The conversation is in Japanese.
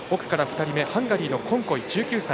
ハンガリーのコンコイ、１９歳。